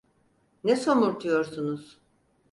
Ne somurtuyorsunuz?